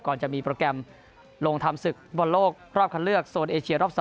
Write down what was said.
จะมีโปรแกรมลงทำศึกบอลโลกรอบคันเลือกโซนเอเชียรอบ๒